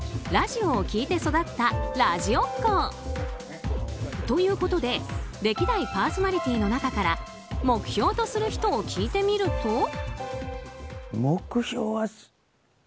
ラジオを聴いて育ったラジオっ子。ということで歴代パーソナリティーの中から目標とする人を聞いてみると。